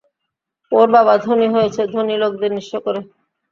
ওর বাবা ধনী হয়েছে ধনী লোকেদের নিঃস্ব করে।